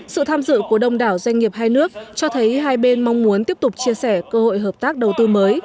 sự tham dự của đông đảo doanh nghiệp hai nước cho thấy hai bên mong muốn tiếp tục chia sẻ cơ hội hợp tác đầu tư mới